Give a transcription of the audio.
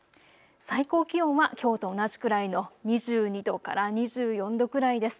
最高気温はきょうと同じくらいの２２度から２４度くらいです。